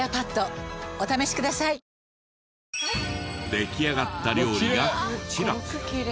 出来上がった料理がこちら！